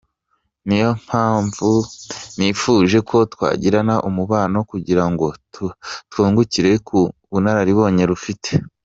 Niyo mpamvu nifuje ko twagirana umubano kugira ngo twungukire ku bunararibonye rufite.